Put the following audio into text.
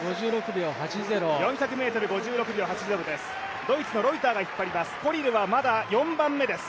４００ｍ、５６秒８０です。